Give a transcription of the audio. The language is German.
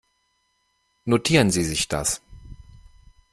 Notieren Sie sich das.